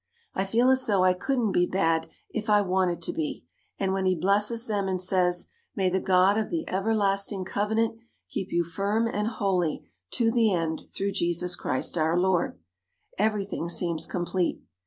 I feel as though I couldn't be bad if I wanted to be, and when he blesses them and says, "May the God of the Everlasting Covenant keep you firm and holy to the end through Jesus Christ our Lord," everything seems complete.